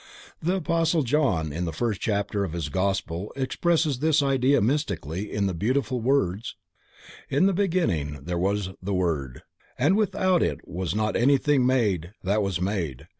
The apostle John in the first chapter of his gospel expresses this idea mystically in the beautiful words: "In the beginning was the WORD ... and without it was not anything made that was made